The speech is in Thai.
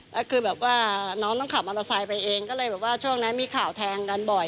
แล้วคือแบบว่าน้องต้องขับมอเตอร์ไซค์ไปเองก็เลยแบบว่าช่วงนั้นมีข่าวแทงกันบ่อย